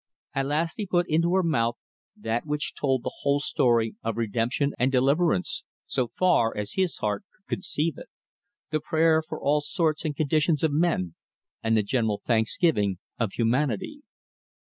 At last he put into her mouth that which told the whole story of redemption and deliverance, so far as his heart could conceive it the prayer for all sorts and conditions of men and the general thanksgiving of humanity.